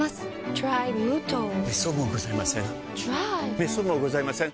めっそうもございません。